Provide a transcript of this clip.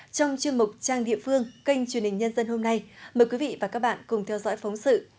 trong chương mục trang địa phương kênh truyền hình nhân dân hôm nay mời quý vị và các bạn cùng theo dõi phóng sự